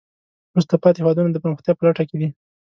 وروسته پاتې هېوادونه د پرمختیا په لټه کې دي.